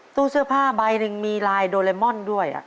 ตู้เสื้อผ้าใบหนึ่งมีลายโดเรมอนด้วย